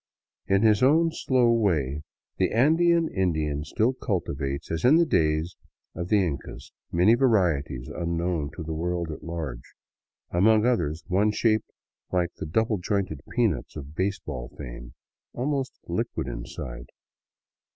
In his own slow way the An dean Indian still cultivates as in the days of the Incas many varieties unknown to the world at large, among others one shaped like the "double jointed" peanuts of baseball fame, almost liquid inside.